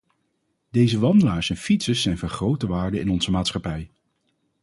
Deze wandelaars en fietsers zijn van grote waarde in onze maatschappij.